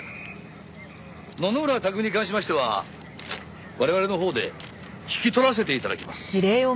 野々村拓海に関しましては我々のほうで引き取らせて頂きます。